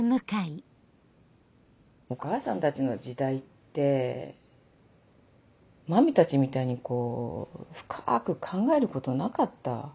お母さんたちの時代って麻美たちみたいにこう深く考えることなかった。